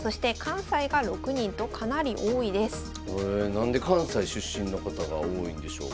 何で関西出身の方が多いんでしょうか。